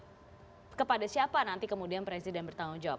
misalnya kepada siapa nanti kemudian presiden bertanggung jawab